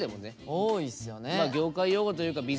多いっすよね。